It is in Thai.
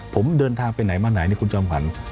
ผมเดินทางไปไหนมาไหนนี่คุณจอมขวัญ